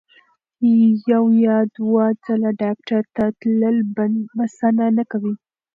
یو یا دوه ځله ډاکټر ته تلل بسنه نه کوي.